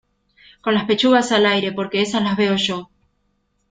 con las pechugas al aire, porque esas las veo yo